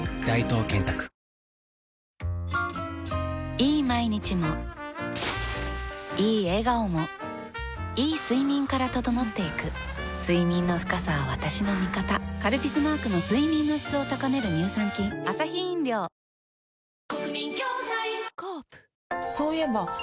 いい毎日もいい笑顔もいい睡眠から整っていく睡眠の深さは私の味方「カルピス」マークの睡眠の質を高める乳酸菌特別永世名人締めのお手本！